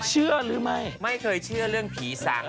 เชื่อหรือไม่ไม่เคยเชื่อเรื่องผีสัง